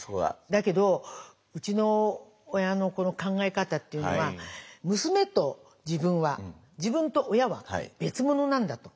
だけどうちの親のこの考え方っていうのは娘と自分は自分と親は別物なんだと。